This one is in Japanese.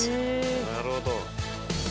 なるほど。